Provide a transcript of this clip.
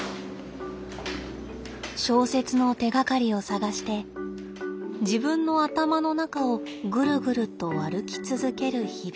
小説の手がかりを探して自分の頭の中をぐるぐると歩き続ける日々。